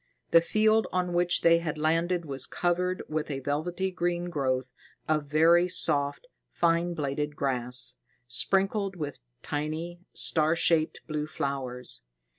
The field on which they had landed was covered with a velvety green growth of very soft, fine bladed grass, sprinkled with tiny, star shaped blue flowers.